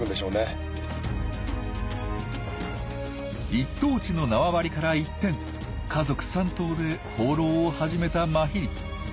一等地の縄張りから一転家族３頭で放浪を始めたマヒリ。